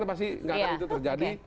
saya pasti gak akan itu terjadi